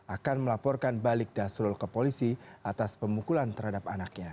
akan melaporkan balik dasrul ke polisi atas pemukulan terhadap anaknya